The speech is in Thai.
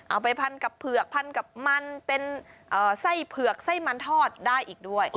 เอาไปพันกับเผือกพันกับมันเป็นไส้เผือกไส้มันทอดได้อีกด้วย